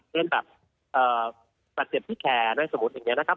เช่นปัจเจ็บที่แขนในสมมุติอย่างนี้นะครับ